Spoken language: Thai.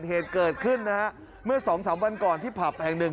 เหตุเกิดขึ้นนะฮะเมื่อสองสามวันก่อนที่ผับแห่งหนึ่ง